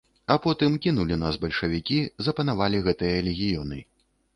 А потым кінулі нас бальшавікі, запанавалі гэтыя легіёны.